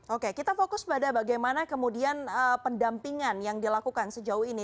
oke kita fokus pada bagaimana kemudian pendampingan yang dilakukan sejauh ini